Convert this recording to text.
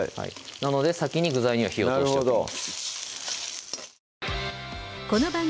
なので先に具材には火を通しておきます